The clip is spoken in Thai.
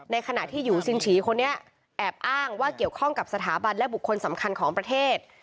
ขณะที่ยูซินฉีคนนี้แอบอ้างว่าเกี่ยวข้องกับสถาบันและบุคคลสำคัญของประเทศ